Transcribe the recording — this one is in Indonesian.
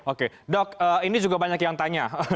oke dok ini juga banyak yang tanya